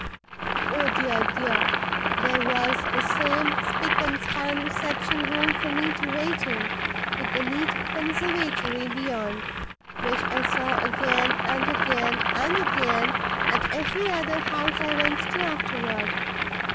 Oh, dear, dear! there was the same spick and span reception room for me to wait in, with the neat conservatory beyond, which I saw again and again and again at every other house I went to afterward.